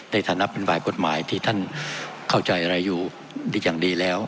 ในฐานะเป็นฝ่ายกฎหมายที่ท่านเข้าใจอะไรอยู่ดีอย่างดีแล้ว